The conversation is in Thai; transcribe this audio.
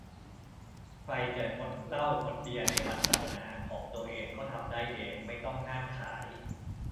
ใครจะงดเหล้างดเบียร์ในวันศาสนาของตัวเองก็ทำได้เอง ไม่ต้องห้ามขาย